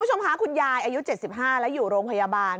คุณผู้ชมคะคุณยายอายุ๗๕แล้วอยู่โรงพยาบาล